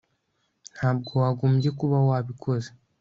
Ntabwo wagombye kuba wabikoze